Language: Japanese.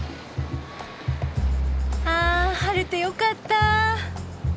ああ晴れてよかった！